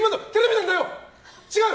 違う！